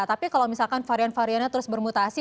tapi kalau misalkan varian variannya terus bermutasi